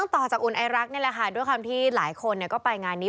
ต่อจากอุณไอรักษ์ด้วยความที่หลายคนก็ไปงานนี้